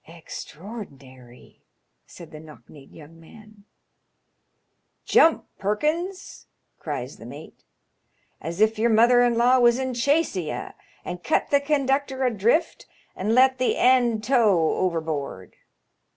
"" Extraordinary !" said the knock kneed young man. "' Jump, Perkins/ cries the mate, *' as if yer mother in law was in chase o' ye, and cut the con ductor adrift and let the end tow overboard.